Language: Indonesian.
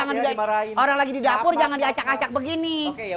ini orang lagi di dapur jangan di acak acak begini